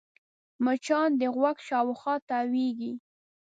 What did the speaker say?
مچان د غوږ شاوخوا تاوېږي